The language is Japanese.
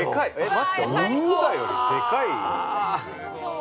◆待って、思ったよりでかい◆